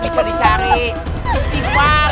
maksudnya seperti itu pak